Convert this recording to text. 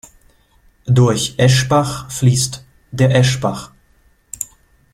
Durch Eschbach fließt der Eschbach.